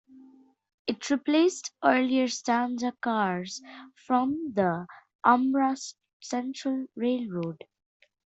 It replaced earlier Stanga cars from the Umbra Central Railroad.